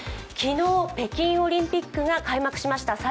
昨日、北京オリンピックが開幕しました。